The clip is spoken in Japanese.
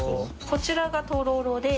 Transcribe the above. こちらがとろろで。